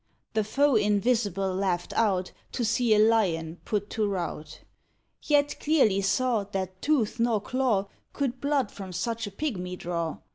The foe invisible laughed out, To see a Lion put to rout; Yet clearly saw That tooth nor claw Could blood from such a pigmy draw.